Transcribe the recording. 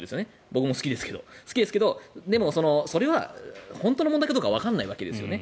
僕も好きですがでも、それは本当の問題かどうかわからないわけですよね。